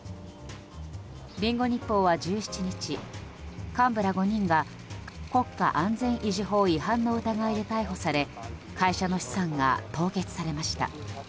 リンゴ日報は１７日幹部ら５人が国家安全維持法違反の疑いで逮捕され会社の資産が凍結されました。